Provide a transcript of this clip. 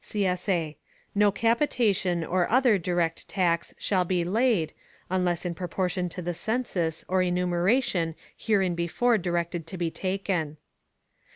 [CSA] No capitation or other direct tax shall be laid, unless in proportion to the census or enumeration herein before directed to be taken.